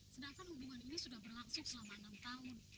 sedangkan hubungan ini sudah berlangsung selama enam tahun